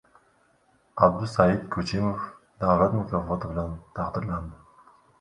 Abdusaid Ko‘chimov davlat mukofoti bilan taqdirlandi